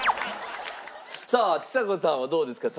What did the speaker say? さあちさ子さんはどうですか？